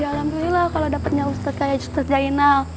ya alhamdulillah kalau dapetnya ustadz kayak ustadz zainal